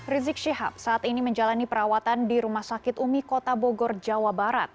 rizik syihab saat ini menjalani perawatan di rumah sakit umi kota bogor jawa barat